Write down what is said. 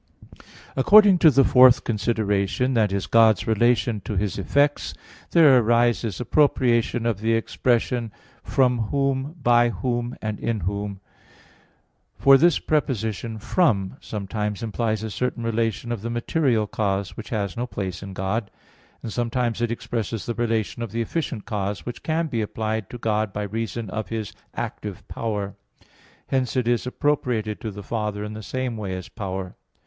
According to the fourth consideration, i.e. God's relation to His effects, there arise[s] appropriation of the expression "from Whom, by Whom, and in Whom." For this preposition "from" [ex] sometimes implies a certain relation of the material cause; which has no place in God; and sometimes it expresses the relation of the efficient cause, which can be applied to God by reason of His active power; hence it is appropriated to the Father in the same way as power.